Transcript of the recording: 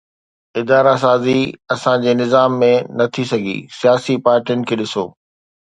ادارا سازي اسان جي نظام ۾ نه ٿي سگهي، سياسي پارٽين کي ڏسو